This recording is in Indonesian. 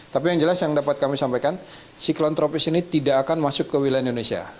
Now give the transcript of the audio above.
tapi yang jelas yang dapat kami sampaikan siklon tropis ini tidak akan masuk ke wilayah indonesia